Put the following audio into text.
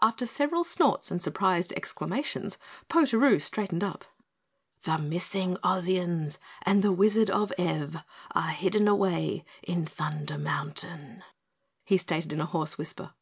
After several snorts and surprised exclamations, Potaroo straightened up. "The missing Ozians and the Wizard of Ev are hidden away in Thunder Mountain," he stated in a hoarse whisper.